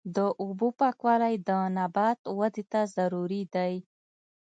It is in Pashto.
د اوبو پاکوالی د نبات ودې ته ضروري دی.